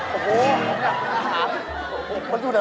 เป็นเรื่องแล้ว